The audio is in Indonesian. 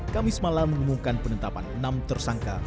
kamis malam mengumumkan penetapan enam tersangka